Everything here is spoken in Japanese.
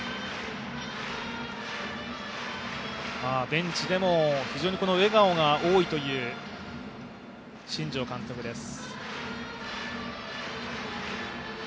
ベンチでも非常に笑顔が多いという新庄監督です。